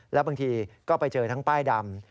แล้วบางทีก็ไปเจอทั้งป้ายดำ